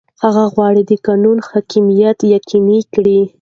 هغه غواړي د قانون حاکمیت یقیني کړي.